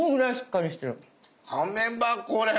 かめばこれ。